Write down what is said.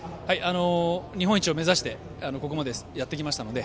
日本一を目指してここまでやってきましたので。